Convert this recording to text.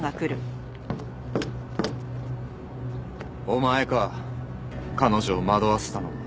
お前か彼女を惑わせたのは。